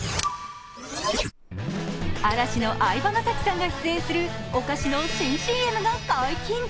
嵐の相葉雅紀さんが出演するお菓子の新ＣＭが解禁。